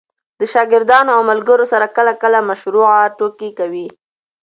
د شاګردانو او ملګرو سره کله – کله مشروع ټوکي کوئ!